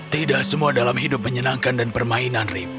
tidak semua dalam hidup menyenangkan dan permainan rip